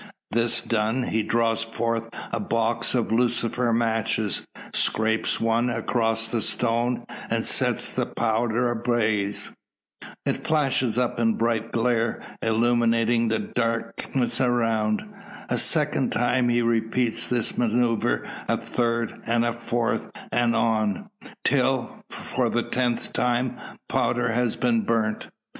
This done, he draws forth a box of lucifer matches; scrapes one across the stone, and sets the powder ablaze. It flashes up in bright glare, illumining the darkness around. A second, time he repeats this manoeuvre; a third, and a fourth; and on, till, for the tenth time, powder has been burnt.